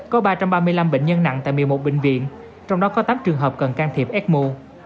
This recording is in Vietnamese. có ba trăm ba mươi năm bệnh nhân nặng tại một mươi một bệnh viện trong đó có tám trường hợp cần can thiệp ecmo